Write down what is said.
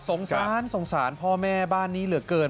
สงสารสงสารพ่อแม่บ้านนี้เหลือเกิน